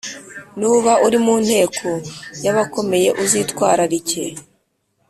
nuba uri mu nteko y’abakomeye uzitwararike